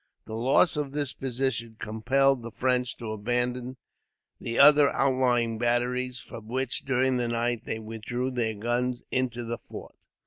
The loss of this position compelled the French to abandon the other outlying batteries, from which, during the night, they withdrew their guns into the fort.